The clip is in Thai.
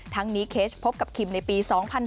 ทั้งนี้เคสพบกับคิมในปี๒๐๑๖